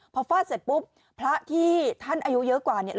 พอฟาดเสร็จปุ๊บพระที่ท่านอายุเยอะกว่าเนี่ย